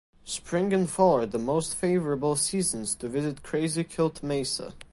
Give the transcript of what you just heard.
Spring and fall are the most favorable seasons to visit Crazy Quilt Mesa.